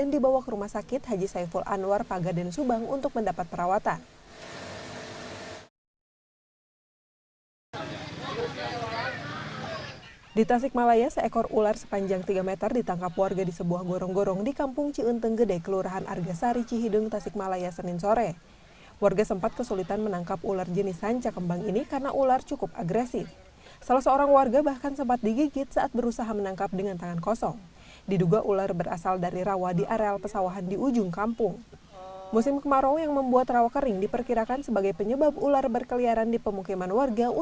di tasik malaya seekor ular sanca sepanjang tiga meter masuk ke permukiman warga